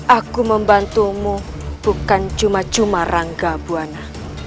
aku membantumu bukan cuma cuma rangga buana